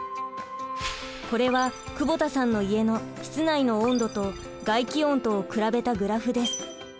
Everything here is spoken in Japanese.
これは久保田さんの家の室内の温度と外気温とを比べたグラフです。